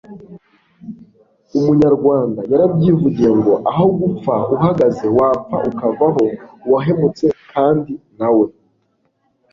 umunyarwanda yarabyivugiye ngo aho gupfa uhagaze, wapfa ukavaho.uwahemutse kandi na we